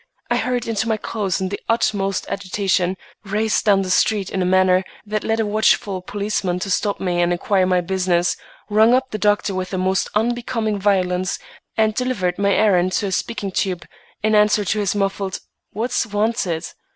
I hurried into my clothes in the utmost agitation, raced down the street in a manner that led a watchful policeman to stop me and inquire my business, rung up the doctor with the most unbecoming violence, and delivered my errand up a speaking tube, in answer to his muffled, "What's wanted?"